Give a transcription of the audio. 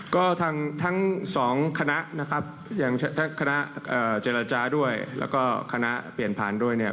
ก็ทั้งสองคณะนะครับอย่างทั้งคณะเจรจาด้วยแล้วก็คณะเปลี่ยนผ่านด้วยเนี่ย